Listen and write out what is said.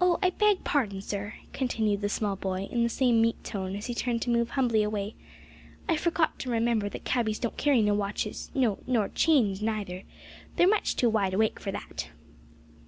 "Oh, I beg pardon, sir," continued the small boy, in the same meek tone, as he turned to move humbly away; "I forgot to remember that cabbies don't carry no watches, no, nor change neither, they're much too wide awake for that!"